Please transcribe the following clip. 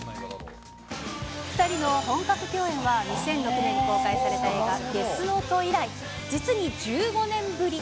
２人の本格共演は、２００６年に公開された映画、デスノート以来、実に１５年ぶり。